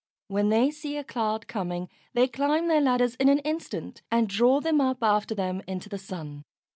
When they see a cloud coming they climb their ladders in an instant and draw them up after them into the Sun.